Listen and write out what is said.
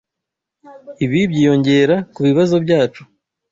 Ibi byiyongera kubibazo byacu.